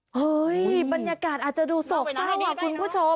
เฮ้ยบรรยากาศอาจจะดูโศกเศร้าไงคุณผู้ชม